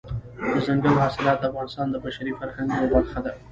دځنګل حاصلات د افغانستان د بشري فرهنګ یوه برخه ده.